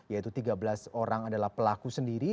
yaitu tiga belas orang adalah pelaku sendiri